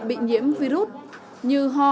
bị nhiễm virus như hò